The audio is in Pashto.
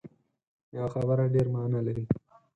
یوه خبره ډېره معنا لري